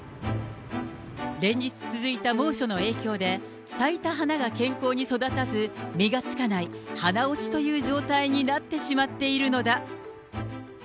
連日続いた猛暑の影響で、咲いた花が健康に育たず実がつかない花落ちという状態になってしまっているのだ。